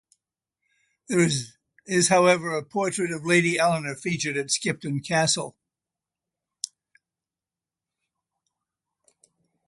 There is, however, a portrait of Lady Eleanor featured at Skipton Castle.